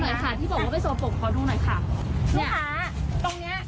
ขอดูหน่อยค่ะที่บอกว่าเป็นสกปรกขอดูหน่อยค่ะนี่ลูกค้าตรงนี้